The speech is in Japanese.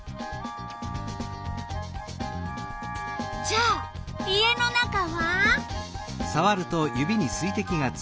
じゃあ家の中は？